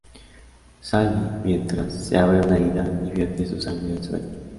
Sally, mientras, se abre una herida y vierte su sangre al suelo.